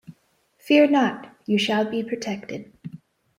Fear not; you shall be protected.